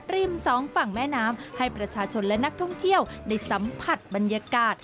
ริมสองฝั่งแม่น้ำให้ประชาชนและนักท่องเที่ยวได้สัมผัสบรรยากาศ